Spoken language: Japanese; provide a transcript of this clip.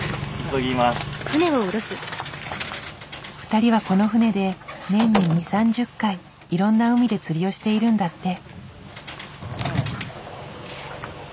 ２人はこの船で年に２０３０回いろんな海で釣りをしているんだって。